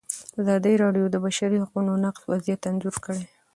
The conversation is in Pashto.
ازادي راډیو د د بشري حقونو نقض وضعیت انځور کړی.